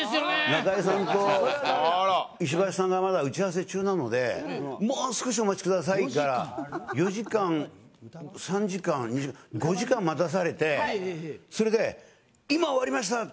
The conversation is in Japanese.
中居さんと石橋さんがまだ打ち合わせ中なのでもう少しお待ちくださいから５時間待たされてそれで今終わりました